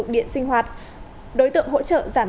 cho mục đích sinh hoạt đối tượng hỗ trợ giảm